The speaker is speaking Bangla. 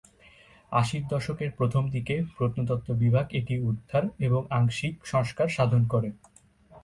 আশির দশকের প্রথমদিকে প্রত্নতত্ত্ব বিভাগ এটি উদ্ধার এবং আংশিক সংস্কার সাধন করে।